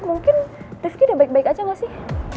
mungkin rifqin udah baik baik aja nggak sih